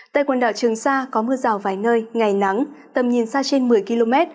tại quần đảo trường sa có mưa rào vài nơi ngày nắng tầm nhìn xa trên một mươi km